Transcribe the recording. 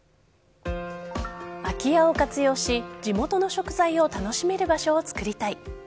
空き家を活用し地元の食材を楽しめる場所を作りたい。